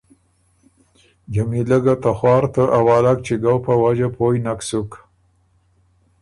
جمیلۀ ګه ته خوار ته اوالګ چِګؤ په وجه پویۡ نک سُک،